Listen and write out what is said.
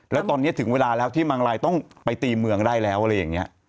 แล้วตอนนี้ถึงเวลาแล้วที่มังลายต้องไปตีเมืองได้แล้วอะไรอย่างนี้